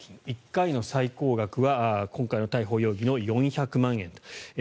１回の最高額は今回の逮捕容疑の４００万円と。